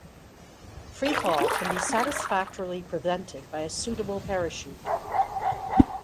Free fall can be satisfactorily prevented by a suitable parachute.